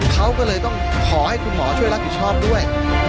เขาก็เลยต้องขอให้คุณหมอช่วยรับผิดชอบด้วย